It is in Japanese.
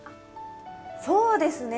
そうですね。